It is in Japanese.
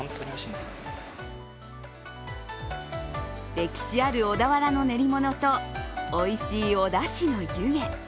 歴史ある小田原の練り物とおいしいおだしの湯気。